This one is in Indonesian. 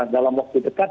dalam waktu dekat